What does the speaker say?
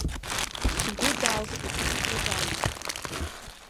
Сгәы далсит, сгәы далсит…